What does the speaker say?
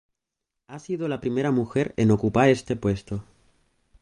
Ha sido la primera mujer en ocupar este puesto.